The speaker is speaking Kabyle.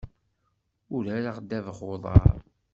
Urareɣ ddabex n uḍaṛ.